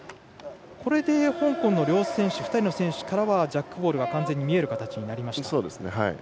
これで香港の２人の選手からはジャックボールが完全に見える形になりました。